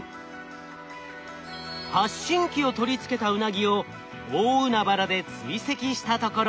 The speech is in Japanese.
発信機を取り付けたウナギを大海原で追跡したところ。